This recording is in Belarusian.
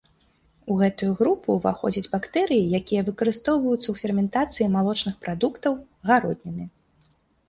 У гэтую групу ўваходзяць бактэрыі, якія выкарыстоўваюцца ў ферментацыі малочных прадуктаў, гародніны.